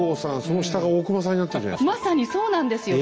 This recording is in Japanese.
その下が大隈さんになってるじゃないですか。